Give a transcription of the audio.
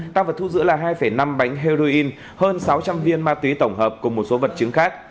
tăng vật thu giữ là hai năm bánh heroin hơn sáu trăm linh viên ma túy tổng hợp cùng một số vật chứng khác